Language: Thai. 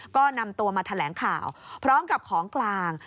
ก็นำตัวมาแถลงข่าวพร้อมกับของกลาง